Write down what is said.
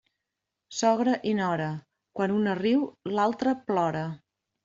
Sogra i nora, quan una riu l'altra plora.